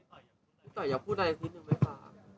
พี่ต่อยอยากพูดอะไรสิทธิ์หนึ่งไหมคะ